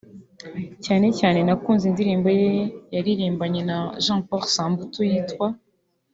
cyane cyane nakunze indirimbo ye yaririmbanye na Jean Paul Samputu yitwa